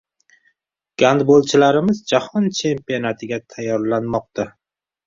Gandbolchilarimiz jahon chempionatiga tayyorlanmoqdang